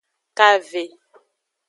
Kave.